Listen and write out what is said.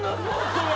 それ。